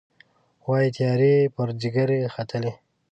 وايي، تیارې یې پر ځيګر ختلي